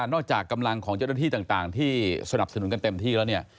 กำลังของเจ้าหน้าที่ต่างที่สนับสนุนกันเต็มที่แล้วเนี่ย